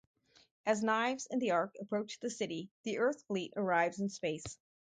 As Knives and the Ark approach the city, the Earth fleet arrives in space.